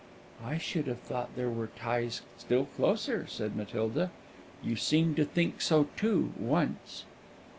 "I should have thought there were ties still closer," said Matilda; "you seemed to think so too, once."